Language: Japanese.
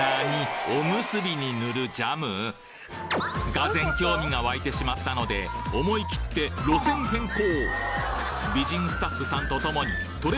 俄然興味が湧いてしまったので思い切って路線変更！